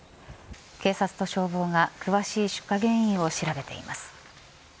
警察と消防が詳しい出火原因を調べています。